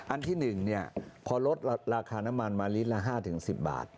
อันที่๑พอลดราคาน้ำมันมาลิตรละ๕๑๐บาท